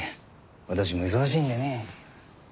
私も忙しいんでね。